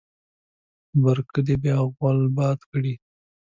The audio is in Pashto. بر کلي بیا غول باد کړی.